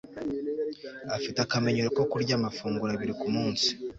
afite akamenyero ko kurya amafunguro abiri kumunsi